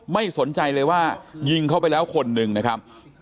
ไม่สนใจเลยว่ายิงเข้าไปแล้วคนหนึ่งนะครับ